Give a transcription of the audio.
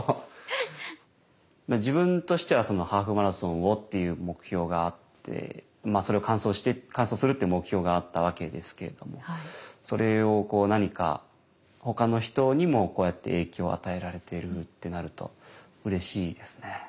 自分としてはハーフマラソンをっていう目標があってそれを完走するって目標があったわけですけれどもそれを何かほかの人にもこうやって影響を与えられているってなるとうれしいですね。